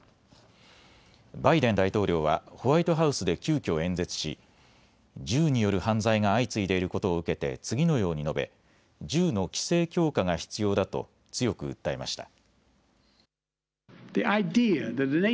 バイデン大統領はホワイトハウスで急きょ演説し銃による犯罪が相次いでいることを受けて次のように述べ銃の規制強化が必要だと強く訴えました。